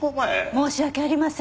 申し訳ありません。